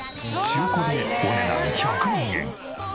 中古でお値段１００万円。